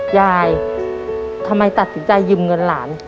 ยายทำไมตัดสินใจยืมเงินหลาน